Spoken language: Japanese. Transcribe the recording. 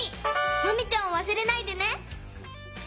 マミちゃんをわすれないでね！